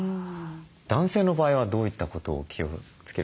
男性の場合はどういったことを気をつけるとよろしいんでしょうか？